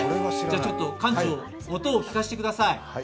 ちょっと館長、音を聴かせてください。